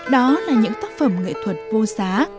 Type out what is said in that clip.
đó là những tác phẩm nghệ thuật vô giá